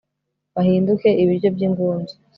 bahinduke ibiryo by'ingunzu